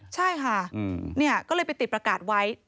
ใช่ค่ะก็เลยไปติดประกาศไว้